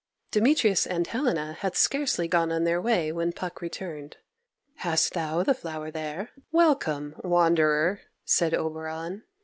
Demetrius and Helena had scarcely gone on their way when Puck returned. "Hast thou the flower there? Welcome, wanderer," said Oberon.